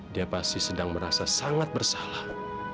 dia pasti sedang merasa sangat bersalah